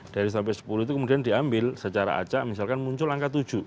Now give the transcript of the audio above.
dari sampai sepuluh itu kemudian diambil secara acak misalkan muncul angka tujuh